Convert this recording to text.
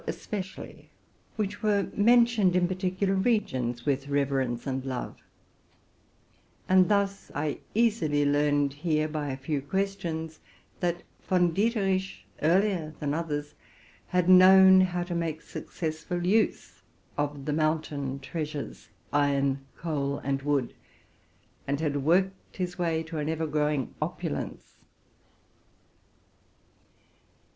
especially, which were mentioned in particular regions with reverence and love; and thus I easily learned here, by a few questions, that Von Dieterich, earlier than others, had known how to make successful use of the mountain treasures, iron, coal, and wood, and had worked his way to an ever growing opulence.